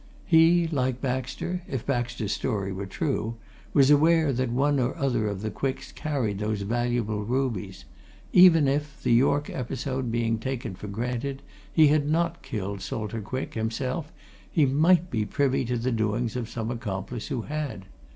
He, like Baxter, if Baxter's story were true, was aware that one or other of the Quicks carried those valuable rubies; even if, the York episode being taken for granted, he had not killed Salter Quick himself he might be privy to the doings of some accomplice who had.